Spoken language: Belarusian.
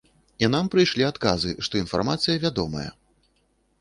І нам прыйшлі адказы, што інфармацыя вядомая.